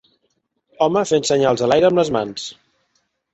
home fent senyals a l'aire amb les mans